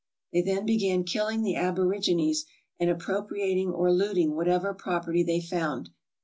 They then began killing the aborigines, and appropriating or looting whatever property they found.